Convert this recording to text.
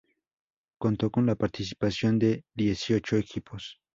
Contó con la participación de dieciocho equipos.